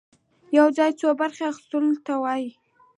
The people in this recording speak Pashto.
يوه يا څو برخي اخيستلو ته وايي.